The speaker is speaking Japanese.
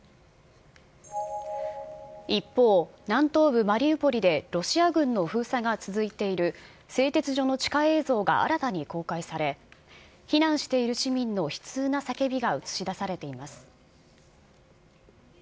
一方、南東部マリウポリでロシア軍の封鎖が続いている製鉄所の地下映像が新たに公開され、避難している市民の悲痛な叫びが映し出されています。